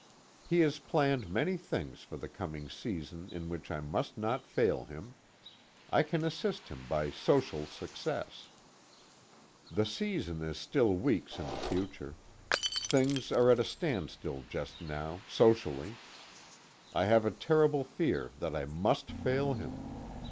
He has planned many things for the coming season in which I must not fail him. I can assist him by social success. The season is still weeks in the future. Things are at a standstill just now, socially. I have a terrible fear that I must fail him.